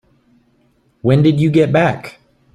When did you get back?